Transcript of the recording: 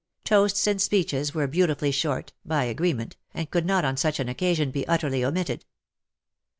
Toasts and speeches were beautifully short, by agreement, but could not on such an occasion be utterly omitted.